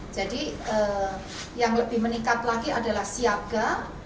jadi yang lebih meningkat lagi adalah siaga